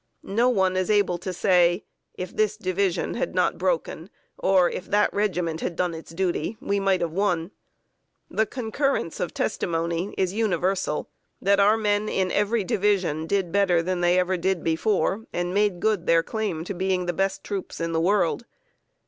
No one is able to say, "If this division had not broken," or "if that regiment had done its duty, we might have won." The concurrence of testimony is universal, that our men in every division did better than they ever did before, and made good their claim to being the best troops in the world.